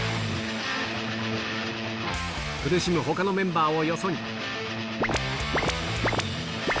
苦しむほかのメンバーをよそに。